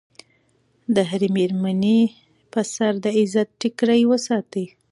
د هرې مېرمنې په سر د عزت ټیکری وساتئ.